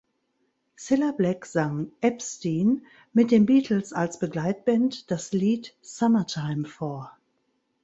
Cilla Black sang Epstein mit den Beatles als Begleitband das Lied Summertime vor.